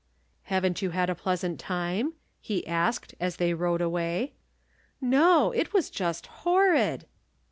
" Haven't you had a pleasant time ?" he asked, as they rode away. " No ; it was just horrid